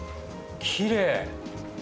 きれい！